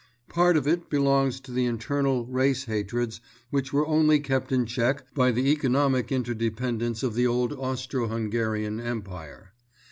Part of it belongs to the internal race hatreds which were only kept in check by the economic interdependence of the old Austro Hungarian Empire.